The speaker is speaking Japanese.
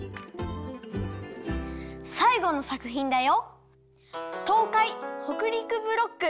さいごのさくひんだよ。